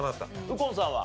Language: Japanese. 右近さんは？